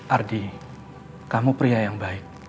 ardi kamu pria yang baik